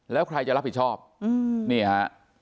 แล้วใครจะรับผิดชอบนี่ฮะ